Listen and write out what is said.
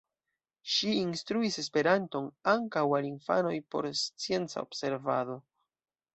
Ŝi instruis Esperanton ankaŭ al infanoj por scienca observado.